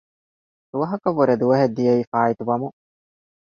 ދުވަހަކަށްވުރެ ދުވަހެއް ދިޔައީ ފާއިތުވަމުން